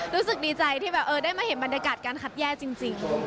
รู้สึกดีใจที่แบบได้มาเห็นบรรยากาศการคัดแยกจริง